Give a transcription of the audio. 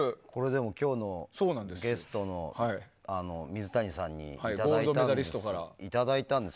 でも、今日のゲストの水谷さんにいただいたんです。